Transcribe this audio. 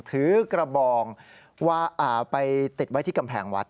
ถือกระบองไปติดไว้ที่กำแพงวัด